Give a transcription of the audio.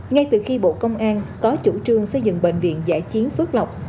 ngay từ khi bộ công an có chủ trương xây dựng bệnh viện giả chiến phước lộc